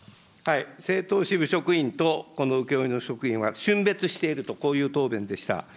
政党支部職員とこの請け負いの職員はしゅん別しているとこういう答弁でした。